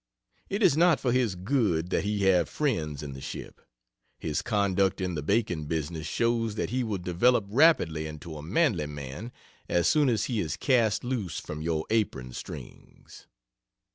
It is not for his good that he have friends in the ship. His conduct in the Bacon business shows that he will develop rapidly into a manly man as soon as he is cast loose from your apron strings.